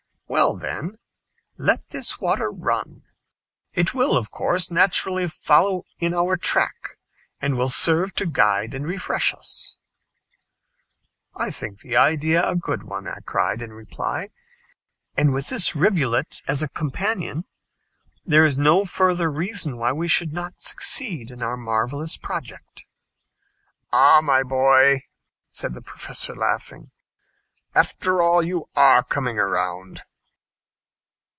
"Well, then, let this water run. It will, of course, naturally follow in our track, and will serve to guide and refresh us." "I think the idea a good one," I cried in reply, "and with this rivulet as a companion, there is no further reason why we should not succeed in our marvelous project." "Ah, my boy," said the Professor, laughing, "after all, you are coming round."